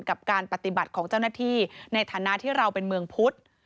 กับการปฏิบัติของเจ้าหน้าที่ในฐานะที่เราเป็นเมืองพุทธ